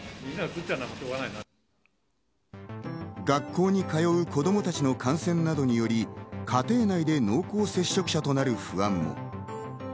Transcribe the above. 学校に通う子供たちの感染などにより、家庭内で濃厚接触者となる不安も。